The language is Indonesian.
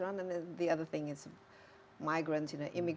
tapi itu yang mereka katakan di amerika serikat